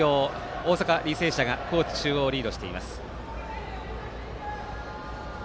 大阪、履正社が高知中央をリードしています。